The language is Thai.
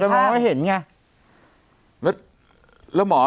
แล้วหมอ